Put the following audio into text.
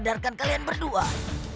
hal itu juga agak merah